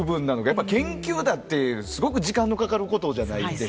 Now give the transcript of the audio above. やっぱ研究だってすごく時間のかかることじゃないですか。